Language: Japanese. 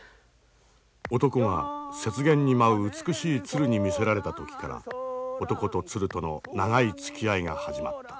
男は雪原に舞う美しい鶴に魅せられた時から男と鶴との長いつきあいが始まった。